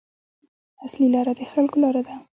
اصلي لاره د خلکو لاره ده.